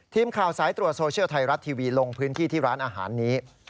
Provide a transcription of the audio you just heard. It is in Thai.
ทีมข่าวสายตรวจโซเชียลไทยรัฐทีวีลงพื้นที่ที่ร้านอาหารนี้